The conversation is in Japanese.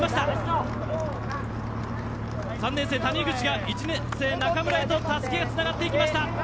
３年生、谷口が１年生、中村へたすきがつながっていきました。